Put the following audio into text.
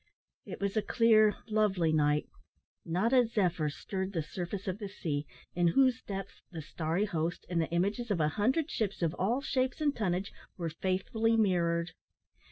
It was a clear, lovely night. Not a zephyr stirred the surface of the sea, in whose depths the starry host and the images of a hundred ships of all shapes and tonnage were faithfully mirrored.